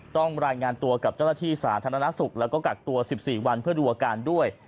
รายงานตัวกับเจ้าหน้าที่สาธารณสุขแล้วก็กักตัว๑๔วันเพื่อดูอาการด้วย